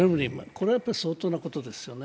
これはやっぱり相当なことですよね。